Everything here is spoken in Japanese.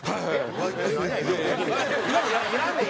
いらんねん